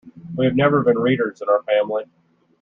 We have never been readers in our family.